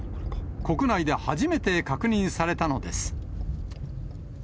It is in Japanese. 国内で初めて確認されたのです。